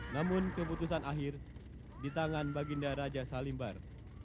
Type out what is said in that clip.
namun keputusan akhir di tangan baginda raja salimbar